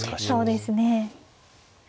そうですね。